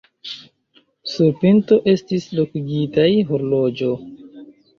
Sur pinto estis lokigitaj horloĝo.